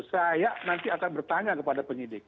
saya nanti akan bertanya kepada penyidik